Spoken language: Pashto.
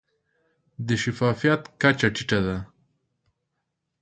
د شفافیت کچه ټیټه ده.